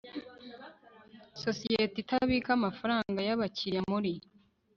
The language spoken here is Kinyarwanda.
sosiyete itabika amafaranga y abakiriya muri